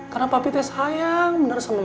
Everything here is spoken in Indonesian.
karena papi tak sayang benar sama mami